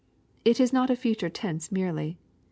It is not a future tense merely.